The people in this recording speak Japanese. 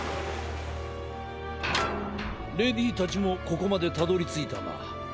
レディーたちもここまでたどりついたな。